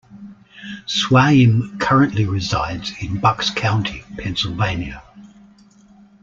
Swaim currently resides in Bucks County, Pennsylvania.